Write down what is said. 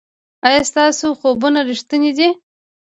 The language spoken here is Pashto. ایا ستاسو خوبونه ریښتیني دي؟